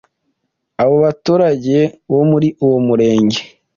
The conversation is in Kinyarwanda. Abo baturage bo muri uwo murenge